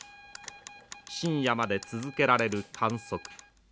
深夜まで続けられる観測。